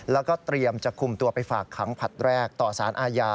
แล้วก็เตรียมจะคุมตัวไปฝากขังผลัดแรกต่อสารอาญา